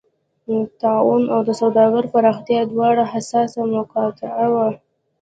طاعون او د سوداګرۍ پراختیا دواړه حساسه مقطعه وه.